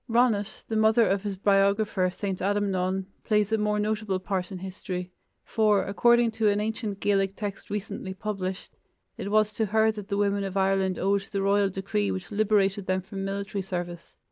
Ronnat, the mother of his biographer, St. Adamnan, plays a more notable part in history, for, according to an ancient Gaelic text recently published, it was to her that the women of Ireland owed the royal decree which liberated them from military service.